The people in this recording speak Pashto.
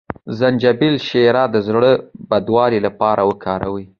د زنجبیل شیره د زړه بدوالي لپاره وکاروئ